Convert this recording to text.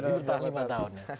sudah bertahan lima tahun